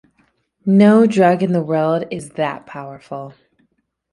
No drug in the world is that powerful.